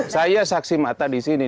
saya saksi mata di sini